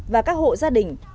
và các hộ gia đình